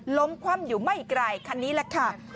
คว่ำอยู่ไม่ไกลคันนี้แหละค่ะ